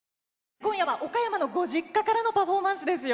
今夜は岡山のご実家からのパフォーマンスですよ。